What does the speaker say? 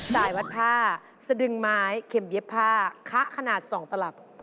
สายวัดผ้าสะดึงไม้เข็มเย็บผ้าคะขนาด๒ตลับ